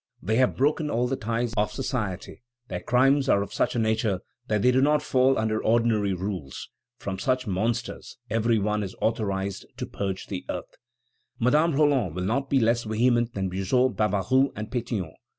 They have broken all the ties of society; their crimes are of such a nature that they do not fall under ordinary rules. From such monsters every one is authorized to purge the earth." Madame Roland will be not less vehement than Buzot, Barbaroux, and Pétion.